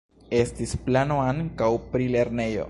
Estis plano ankaŭ pri lernejo.